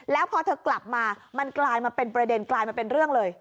แล้วพอเธอกลับมามันกลายมาเป็นประเด็นกลายมาเป็นเรื่องเลย